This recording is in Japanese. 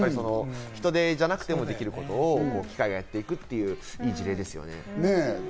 人手じゃなくてもできることを機械がやっていく、いい時代ですね。